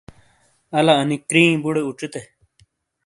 الا انی کریئی بوڑے اچوتے ۔